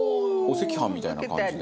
「お赤飯みたいな感じでね」